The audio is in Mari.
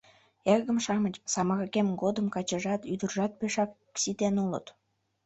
— Эргым-шамыч, самырыкем годым качыжат, ӱдыржат пешак ситен улыт.